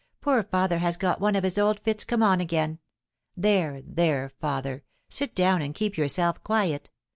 poor father has got one of his old fits come on again. There, there, father, sit down and keep yourself quiet.